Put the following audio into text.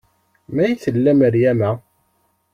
May tella Meryama?